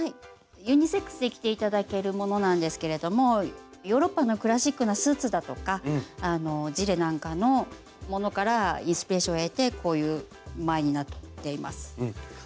ユニセックスで着て頂けるものなんですけれどもヨーロッパのクラシックなスーツだとかジレなんかのものからインスピレーションを得てこういう前になっています。